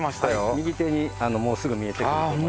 右手にもうすぐ見えてくると思います。